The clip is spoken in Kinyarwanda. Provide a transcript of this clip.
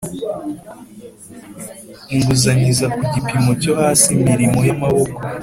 inguzanyo iza ku gipimo cyo hasi Imirimo y amaboko